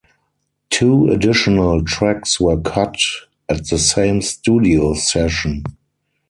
Two additional tracks were cut at the same studio session.